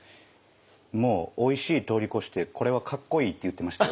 もうおいしい通り越してこれはかっこいいって言ってましたよ。